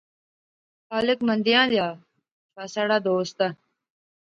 خالق مندیاں دا فہ ساڑھا دوست دا